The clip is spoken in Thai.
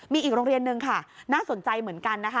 มีอีกโรงเรียนนึงค่ะน่าสนใจเหมือนกันนะคะ